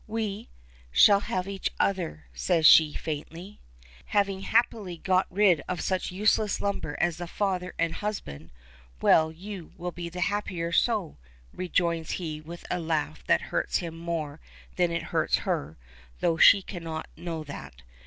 "We shall have each other," says she, faintly. "Having happily got rid of such useless lumber as the father and husband. Well, you will be the happier so," rejoins he with a laugh that hurts him more than it hurts her, though she cannot know that.